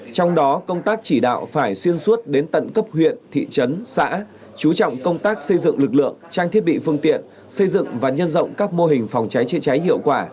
trong đó công tác chỉ đạo phải xuyên suốt đến tận cấp huyện thị trấn xã chú trọng công tác xây dựng lực lượng trang thiết bị phương tiện xây dựng và nhân rộng các mô hình phòng cháy chữa cháy hiệu quả